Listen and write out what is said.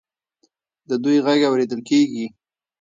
د دوی غږ اوریدل کیږي.